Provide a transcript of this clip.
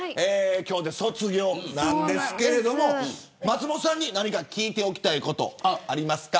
今日で卒業なんですけれども松本さんに、何か聞いておきたいことありますか。